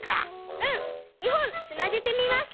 うん２ほんつなげてみました。